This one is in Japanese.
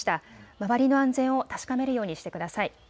周りの安全を確かめるようにしてください。